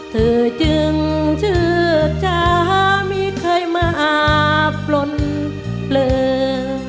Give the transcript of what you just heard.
เธอจึงชืบจะไม่เคยมาอาบลดเปลือ